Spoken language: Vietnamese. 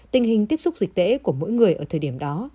tình hình tiếp xúc dịch tễ của mỗi người ở thời điểm đó